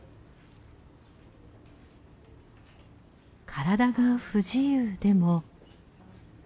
体が不自由でも。